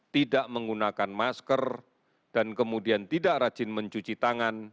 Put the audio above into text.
tidak menggunakan masker dan kemudian tidak rajin mencuci tangan